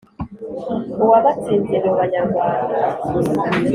uwabatsinze mu banyarwaza